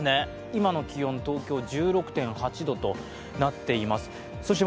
今の気温、東京１６．８度となっています。